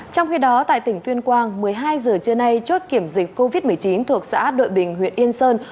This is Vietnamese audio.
trong khi đó tại tỉnh tuyên quang một mươi hai giờ trưa nay chốt kiểm dịch covid một mươi chín thuộc xã đội bình huyện yên sơn